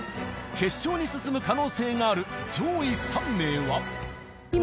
決勝に進む可能性がある上位３名は。